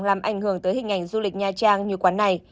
làm ảnh hưởng tới hình ảnh du lịch nha trang như quán này